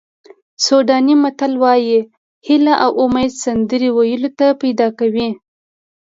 سوډاني متل وایي هیله او امید سندرې ویلو ته پیدا کوي.